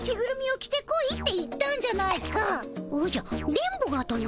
電ボがとな？